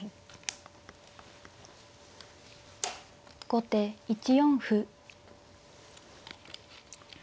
後手１四歩。